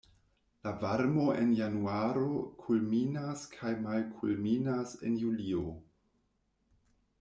La varmo en januaro kulminas kaj malkulminas en julio.